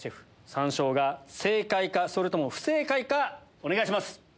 山椒が正解かそれとも不正解かお願いします。